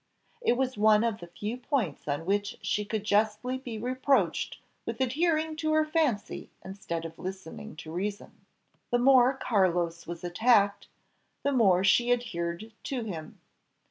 It was one of the few points on which she could justly be reproached with adhering to her fancy instead of listening to reason. The more Carlos was attacked, the more she adhered to him.